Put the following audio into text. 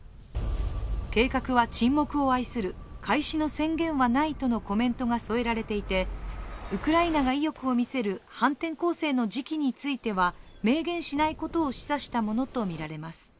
計画は沈黙を愛する、開始の宣言はないとのコメントが添えられていてウクライナが意欲を見せる反転攻勢の時期については明言しない事を示唆したものとみられます